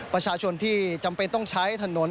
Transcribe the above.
ประชาชนที่จำเป็นต้องใช้ถนน